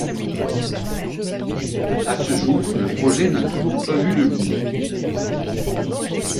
A ce jour, le projet n'a toujours pas vu le jour.